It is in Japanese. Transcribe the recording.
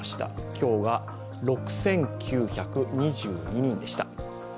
今日が６９２２人でした。